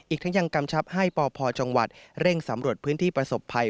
อีกทั้งยังกำชับให้ปพจังหวัดเร่งสำรวจพื้นที่ประสบภัย